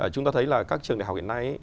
chúng ta thấy là các trường đại học hiện nay